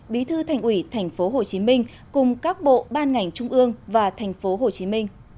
bí thư thành ủy tp hcm cùng các bộ ban ngành trung ương và tp hcm